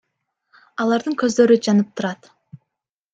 Алардын көздөрү жанып турат.